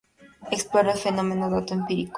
Explora el fenómeno-dato empírico.